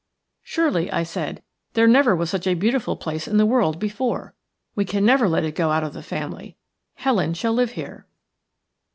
"Surely," I said, "there never was such a beautiful place in the world before! We can never let it go out of the family. Helen shall live here."